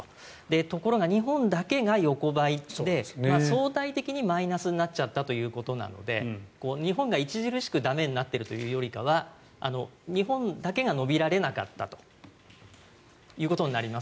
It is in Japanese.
ところが日本だけが横ばいで相対的にマイナスになってしまったということなので日本が著しく駄目になっているというよりかは日本だけが伸びられなかったということになります。